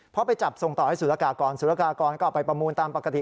พอไปจับส่งต่อให้สุรกากรสุรกากรก็เอาไปประมูลตามปกติ